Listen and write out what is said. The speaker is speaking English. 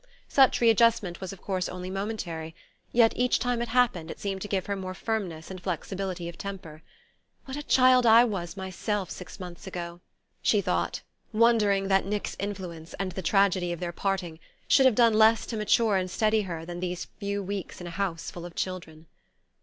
Such readjustment was of course only momentary; yet each time it happened it seemed to give her more firmness and flexibility of temper. "What a child I was myself six months ago!" she thought, wondering that Nick's influence, and the tragedy of their parting, should have done less to mature and steady her than these few weeks in a house full of children.